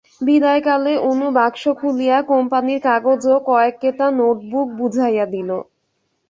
বিদায়কালে অনু বাক্স খুলিয়া কোম্পানীর কাগজ ও কয়েক কেতা নোট বুঝাইয়া দিল।